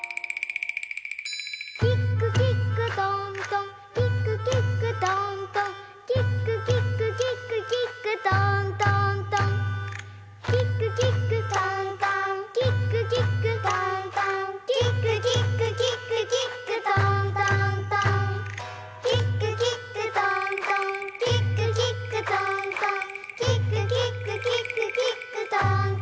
「キックキックトントンキックキックトントン」「キックキックキックキックトントントン」「キックキックトントンキックキックトントン」「キックキックキックキックトントントン」「キックキックトントンキックキックトントン」